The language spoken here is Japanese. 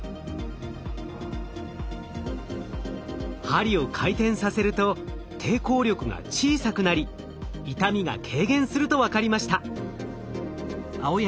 針を回転させると抵抗力が小さくなり痛みが軽減すると分かりました。